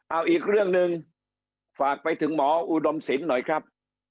เอาอีกเรื่องหนึ่งฝากไปถึงหมออุดมศิลป์หน่อยครับ